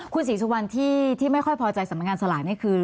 คุณศรีสุวรรณที่ไม่ค่อยพอใจสำนักงานสลากนี่คือ